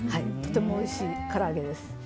とてもおいしいから揚げです。